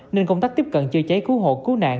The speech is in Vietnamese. nên công tác tiếp cận chữa cháy cứu hộ cứu nạn